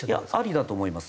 ありだと思います。